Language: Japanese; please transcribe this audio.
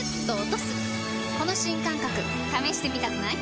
この新感覚試してみたくない？